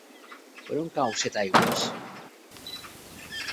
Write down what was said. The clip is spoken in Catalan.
Per on cau Setaigües?